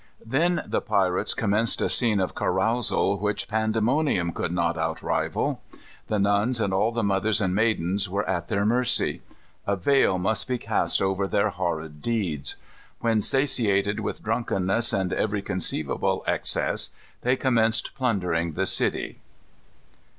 Then the pirates commenced a scene of carousal which pandemonium could not outrival. The nuns and all the mothers and maidens were at their mercy. A veil must be cast over their horrid deeds. When satiated with drunkenness, and every conceivable excess, they commenced plundering the city.